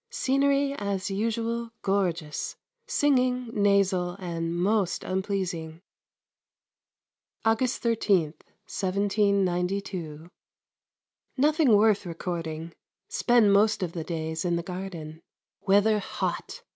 Scenery as usual gorgeous, singing nasal and most unpleasing. August 13, 1792. Nothing worth recording. Spend most of the days in the garden. Weather hot.